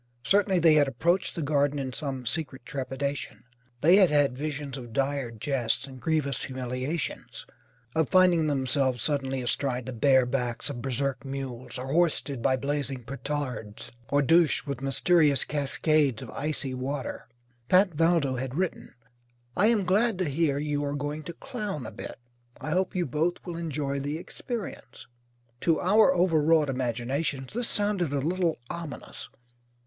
Certainly they had approached the Garden in some secret trepidation. They had had visions of dire jests and grievous humiliations: of finding themselves suddenly astride the bare backs of berserk mules, or hoisted by blazing petards, or douched with mysterious cascades of icy water. Pat Valdo had written: "I am glad to hear you are going to clown a bit. I hope you both will enjoy the experience." To our overwrought imaginations this sounded a little ominous.